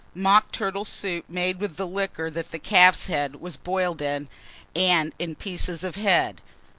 Mock turtle soup, made with liquor that calf's head was boiled in, and the pieces of head.